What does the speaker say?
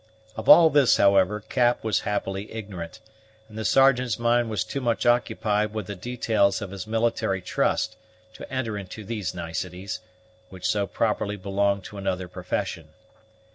Of all this, however, Cap was happily ignorant, and the Sergeant's mind was too much occupied with the details of his military trust to enter into these niceties, which so properly belonged to another profession.